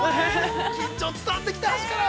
◆緊張が伝わってきたね。